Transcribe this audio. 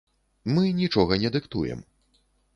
Мы нічога не дыктуем.